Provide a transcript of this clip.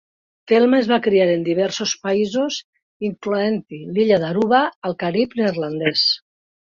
Thelma es va criar en diversos països, incloent-hi l'illa d'Aruba, al Carib Neerlandès.